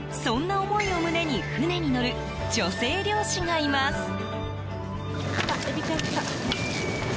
そんな思いを胸に船に乗る女性漁師がいます。